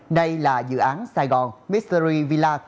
này là dự án saigon mystery villa